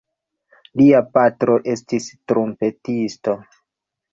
Lia patro estis trumpetisto.